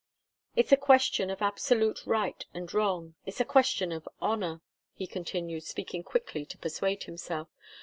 "It's a question of absolute right and wrong it's a question of honour," he continued, speaking quickly to persuade himself.